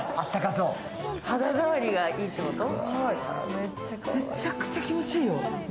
めちゃくちゃ気持ちいいよ。